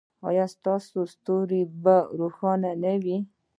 ایا ستاسو ستوری به روښانه نه وي؟